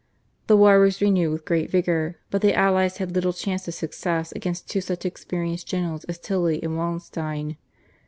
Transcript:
The war was renewed with great vigour, but the allies had little chance of success against two such experienced generals as Tilly and Wallenstein.